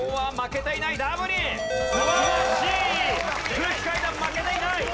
空気階段負けていない！